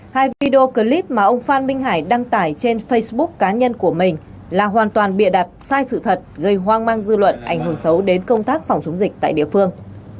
hai video clip mà ông phan minh hải đăng tải trên facebook cá nhân của mình là hoàn toàn bịa đặt sai sự thật gây hoang mang dư luận ảnh hưởng xấu đến công tác phòng chống dịch tại địa phương